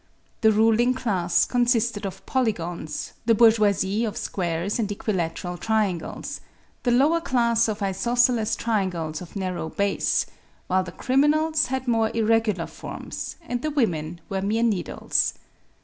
The ruling class consisted of polygons, the bourgeoisie of squares and equilateral triangles, the lower class of isosceles triangles of narrow base, while the criminals had more irregular forms and the women were mere 68 EASY LESSONS IN EINSTEIN needles.